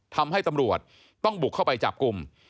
ทำให้ตำรวจต้องบุกเข้าไปจับกลุ่ม